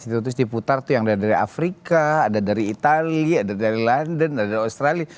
situs diputar itu yang dari afrika ada dari itali ada dari london ada dari australia